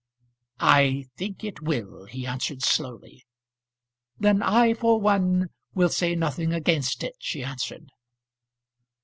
"I think it will," he answered slowly. "Then I, for one, will say nothing against it," she answered.